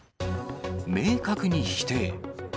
明確に否定。